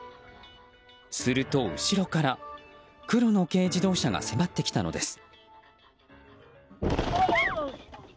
すると、後ろから黒の軽自動車が迫ってきたのです。